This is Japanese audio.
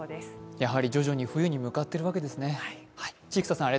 やはり徐々に冬に向かっているわけですね。